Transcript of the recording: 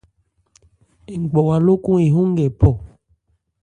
Ngbawa lókɔn ehɔ́n nkɛ phɔ.